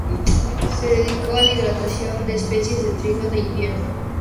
Se dedicó a la hibridación de especies de trigo de invierno.